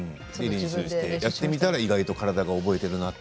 やってみたら意外と体が覚えているなと。